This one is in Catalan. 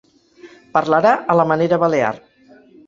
Parlarà a la manera balear.